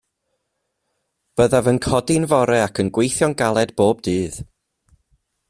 Byddaf yn codi'n fore ac yn gweithio'n galed bob dydd.